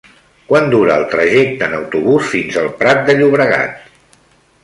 Quant dura el trajecte en autobús fins al Prat de Llobregat?